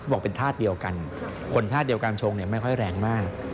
บอกเป็นธาตุเดียวกันคนธาตุเดียวการชงไม่ค่อยแรงมาก